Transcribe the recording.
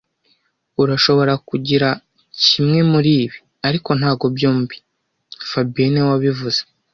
Urashobora kugira kimwe muribi, ariko ntabwo byombi fabien niwe wabivuze